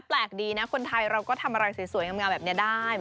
แปลกดีนะคนไทยเราก็ทำอะไรสวยงามแบบนี้ได้